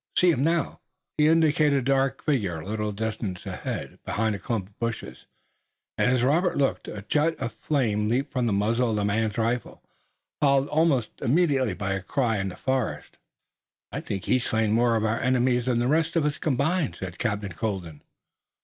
See him now!" He indicated a dark figure a little distance ahead, behind a clump of bushes, and, as Robert looked, a jet of fire leaped from the muzzle of the man's rifle, followed almost immediately by a cry in the forest. "I think he has slain more of our enemies than the rest of us combined," said Captain Colden.